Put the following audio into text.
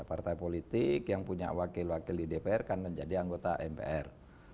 partai politik yang punya wakil wakil di dpr kan menjadi anggota mpr